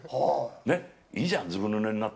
ねっ、いいじゃん、ずぶぬれになって。